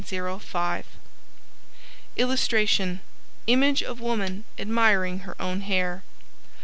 [Illustration: Image of woman admiring her own hair.